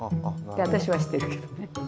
って私はしてるけどね。